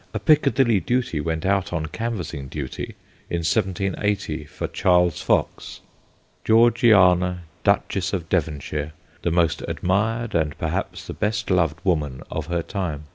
1 A Piccadilly Beauty Went out on canvassing duty,' in 1780, for Charles Fox Georgiana, Duchess of Devonshire, the most admired and perhaps the best loved woman of her time.